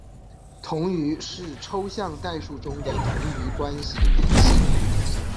同余是抽象代数中的同余关系的原型。